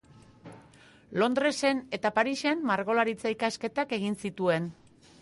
Londresen eta Parisen margolaritza-ikasketak egin zituen.